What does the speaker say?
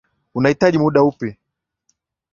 Unahitaji muda upi?